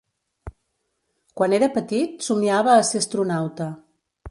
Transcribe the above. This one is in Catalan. Quan era petit somniava a ser astronauta.